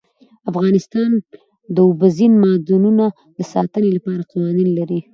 افغانستان د اوبزین معدنونه د ساتنې لپاره قوانین لري.